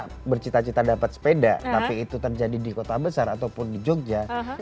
kalau bercita cita dapat sepeda tapi itu terjadi di kota besar ataupun di jogja